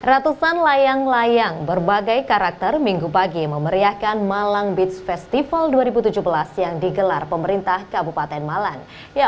ratusan layang layang berbagai karakter minggu pagi memeriahkan malang beach festival dua ribu tujuh belas yang digelar pemerintah kabupaten malang